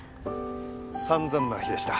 散々な日でした。